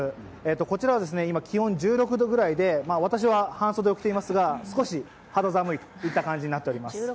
こちらは今、気温１６度ぐらいで私は半袖を着ていますが、少し肌寒いという感じになってます